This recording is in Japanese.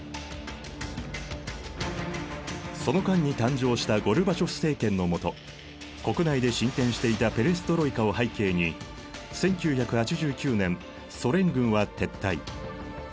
その間に誕生したゴルバチョフ政権の下国内で進展していたペレストロイカを背景に１９８９年ソ連軍は撤退。